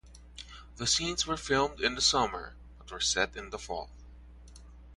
The scenes were filmed in the summer, but were set in the fall.